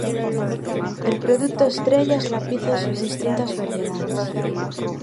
El producto estrella es la pizza en sus distintas variedades.